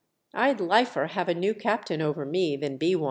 I'd liefer have a new captain over me than be one."